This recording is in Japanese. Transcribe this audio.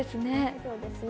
そうですね。